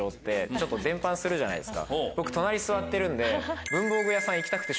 僕隣座ってるんで。